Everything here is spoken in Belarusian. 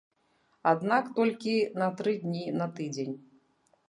Аднак толькі на тры дні на тыдзень.